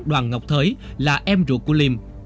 đoàn ngọc thới là em ruột của liêm